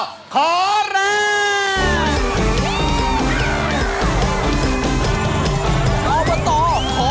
อบตขอแรง